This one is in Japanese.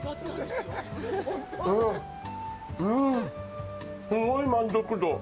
うん、すごい満足度。